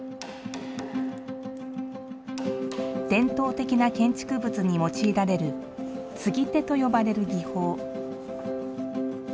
伝統的な建築物に用いられる継手と呼ばれる技法。